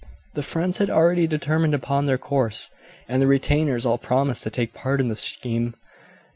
The friends had already determined upon their course, and the retainers all promised to take part in the scheme.